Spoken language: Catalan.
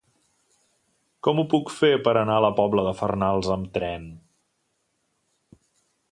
Com ho puc fer per anar a la Pobla de Farnals amb tren?